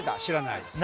知らない？